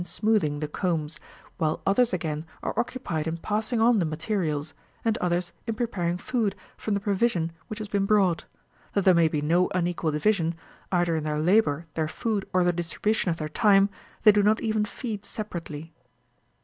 smoothing, the combs, while others again are occupied in passing on the materials, and others in preparing food24 from the provision which has been brought ; that there may be no unequal division, either in their labour, their food, or the distribution of their time, they do not even feed separately.